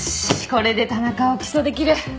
これで田中を起訴できる！